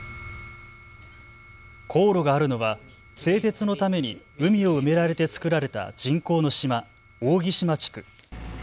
高炉があるのは製鉄のために海を埋められて造られた人工の島、扇島地区。